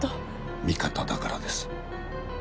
味方だからです。